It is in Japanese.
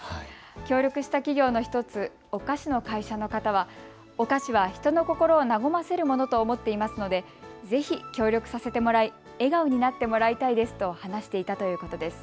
協力した企業の１つ、お菓子の会社の方はお菓子は人の心を和ませるものだと思っていますのでぜひ協力させてもらい笑顔になってもらいたいですと話していたということです。